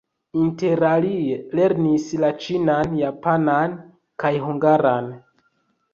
Interalie lernis la ĉinan, japanan kaj hungaran.